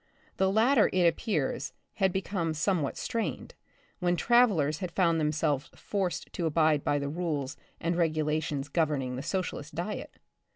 The latter, it appears, had become somewhat strained, when travelers had found themselves forced to abide by the rules and regulations governing the socialists' diet.